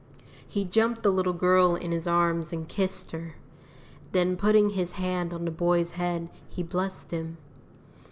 He jumped the little girl in his arms and kissed her; then putting his hand on the boy's head, he blessed him.